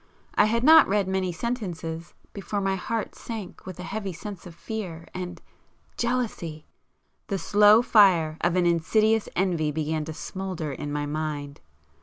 I had not read many sentences before my heart sank with a heavy sense of fear and,—jealousy!—the slow fire of an insidious envy began to smoulder in my mind.